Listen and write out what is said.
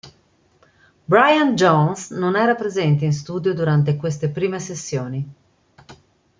Brian Jones non era presente in studio durante queste prime sessioni.